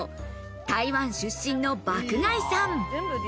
台湾出身の爆買いさん。